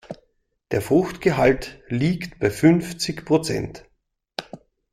Der Fruchtgehalt liegt bei fünfzig Prozent.